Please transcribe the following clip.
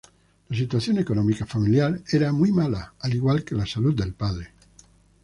La situación económica familiar era muy mala, al igual que la salud del padre.